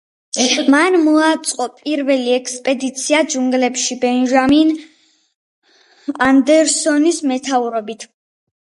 მან მოაწყო პირველი ექსპედიცია ჯუნგლებში ბენჟამინ ანდერსონის მეთაურობით.